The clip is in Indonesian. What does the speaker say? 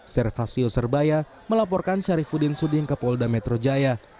servasio serbaya melaporkan syarifudin suding ke polda metro jaya